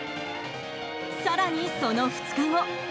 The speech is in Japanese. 更に、その２日後。